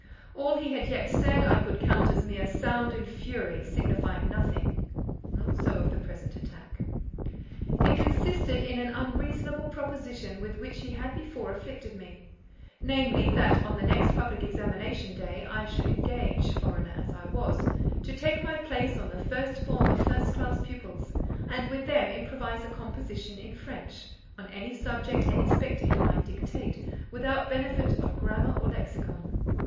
All he had yet said, I could count as mere sound and fury, signifying nothing: not so of the present attack. It consisted in an unreasonable proposition with which he had before afflicted me: namely, that on the next public examination day I should engage—foreigner as I was—to take my place on the first form of first class pupils, and with them improvise a composition in French, on any subject any spectator might dictate, without benefit of grammar or lexicon.